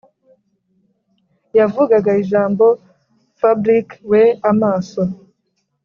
yavugaga ijambo fabric we amaso